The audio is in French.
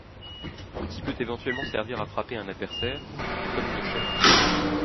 L'outil peut éventuellement servir à frapper un adversaire, comme une chaîne.